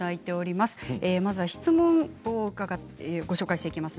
まずは質問をご紹介します。